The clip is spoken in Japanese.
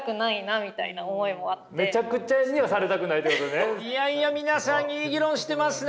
だけどいやいや皆さんいい議論してますね。